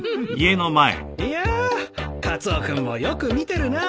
いやカツオ君もよく見てるな。